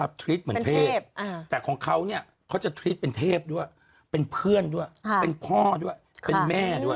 ปะสต้วที่ต้องแปะไววะฮะไม่ใช่อะไรมันเป็นแผลที่ต้องจิ๊บไง